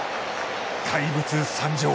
怪物参上。